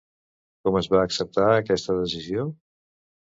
Com es va acceptar aquesta decisió?